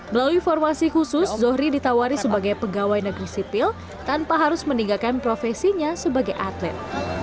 melalui formasi khusus zohri ditawari sebagai pegawai negeri sipil tanpa harus meninggalkan profesinya sebagai atlet